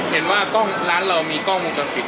เห็นว่าร้านเรามีกล้องมึงจะปิด